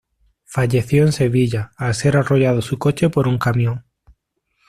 Falleció en Sevilla, al ser arrollado su coche por un camión.